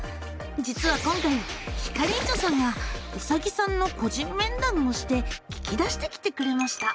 実は今回ひかりんちょさんがうさぎさんの「個人面談」をして聞き出してきてくれました。